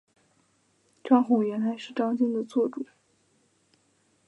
张宏原来是张鲸的座主。